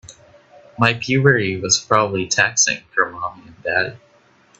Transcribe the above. My puberty was probably taxing for mommy and daddy.